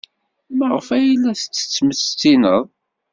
Maɣef ay la tt-tettmestined?